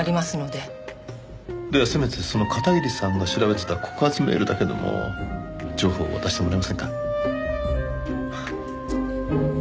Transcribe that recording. ではせめてその片桐さんが調べていた告発メールだけでも情報を渡してもらえませんか？